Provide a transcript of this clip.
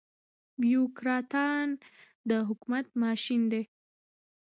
بيوکراتان د حکومت ماشين دي.